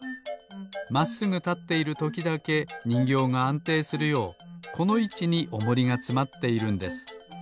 まっすぐたっているときだけにんぎょうがあんていするようこのいちにおもりがつまっているんです。